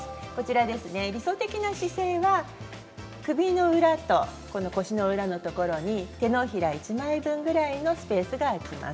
理想的な姿勢は首の裏と腰の裏のところに手のひら１枚分ぐらいのスペースが開きます。